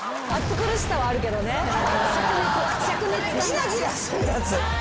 ギラギラしてるやつ。